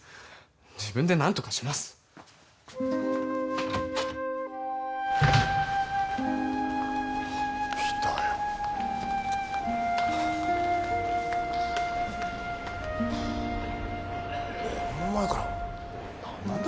自分で何とかしますいたよこの前から何なんだ